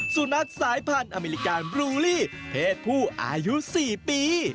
สุนัขสายพันธุ์อเมริกาบรูลี่เพศผู้อายุ๔ปี